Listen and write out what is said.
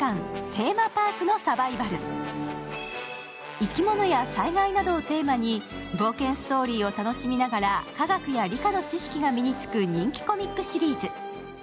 生き物や災害などをテーマに冒険ストーリーを楽しみながら科学や理科の知識が身につく人気コミックシリーズ。